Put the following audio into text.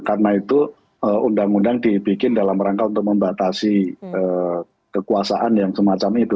karena itu undang undang dibikin dalam rangka untuk membatasi kekuasaan yang semacam itu